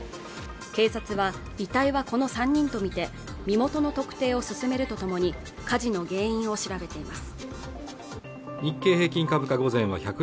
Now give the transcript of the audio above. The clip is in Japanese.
警察は遺体はこの３人と見て身元の特定を進めるとともに火事の原因を調べています